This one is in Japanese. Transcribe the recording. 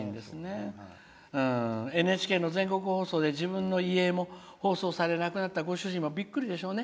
ＮＨＫの全国放送で自分の遺影も放送され亡くなったご主人もびっくりでしょうね。